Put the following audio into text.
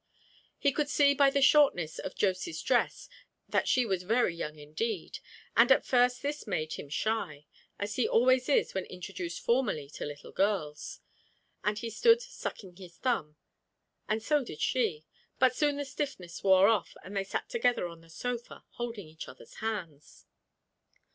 You could see by the shortness of Josy's dress that she was very young indeed, and at first this made him shy, as he always is when introduced formally to little girls, and he stood sucking his thumb, and so did she, but soon the stiffness wore off and they sat together on the sofa, holding each other's hands.